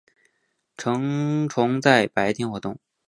成虫在白天活动。